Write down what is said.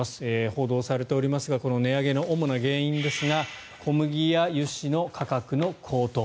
報道されておりますがこの値上げの主な原因ですが小麦や油脂の価格の高騰。